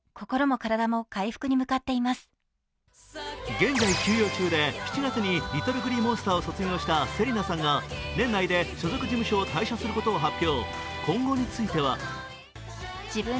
現在、休養中で７月にＬｉｔｔｌｅＧｌｅｅＭｏｎｓｔｅｒを卒業した芹奈さんが年内で所属事務所を退所することを発表。